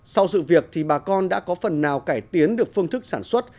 sau sự việc thì bà con đã có phần nào cải tiến được phương thức sản xuất